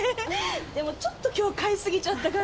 でもちょっと今日買いすぎちゃったかな。